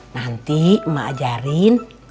nanti mak ajarin